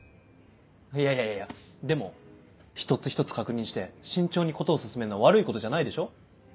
いやいやいやでも一つ一つ確認して慎重に事を進めるのは悪いことじゃないでしょ。